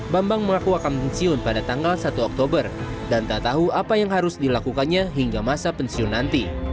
bambang mengaku akan pensiun pada tanggal satu oktober dan tak tahu apa yang harus dilakukannya hingga masa pensiun nanti